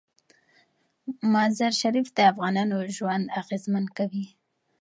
مزارشریف د افغانانو ژوند اغېزمن کوي.